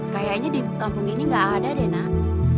kayaknya di kampung ini gak ada deh nak